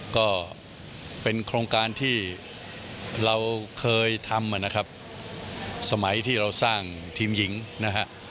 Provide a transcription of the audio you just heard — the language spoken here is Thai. ก็เป็นโครงการที่เราเคยทำนะครับสมัยที่เราสร้างทีมหญิงนะฮะ